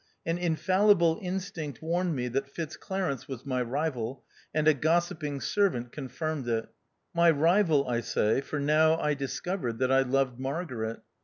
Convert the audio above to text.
An infallible instinct warned me that Fitzclarence was my rival, and a gossipping servant confirmed it. My rival, I say, for now I discovered that I loved Margaret.